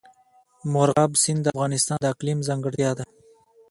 مورغاب سیند د افغانستان د اقلیم ځانګړتیا ده.